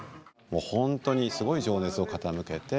本当にすごい情熱を傾けて。